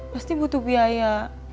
pasti butuh biaya